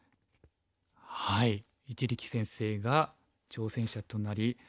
一力先生が挑戦者となり。